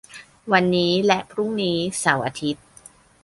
วันนี้และพรุ่งนี้ เสาร์-อาทิตย์